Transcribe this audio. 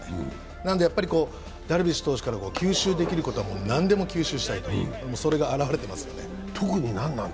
なのでダルビッシュ投手から吸収できることは何でも吸収したい、それが現れていますよね。